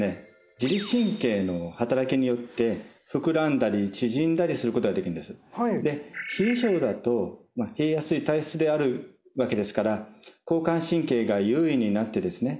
自律神経の働きによって膨らんだり縮んだりすることができるんですで冷え性だと冷えやすい体質であるわけですから交感神経が優位になってですね